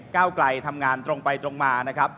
แก้วไกรทำงานตรงไปตรงมา